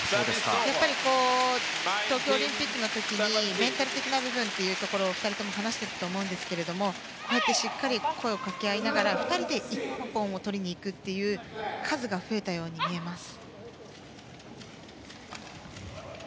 やっぱり、東京オリンピックの時メンタル的な部分を２人とも話していたと思うんですけどもしっかり声をかけ合いながら２人で一本を取りにいく数が増えたように見えます。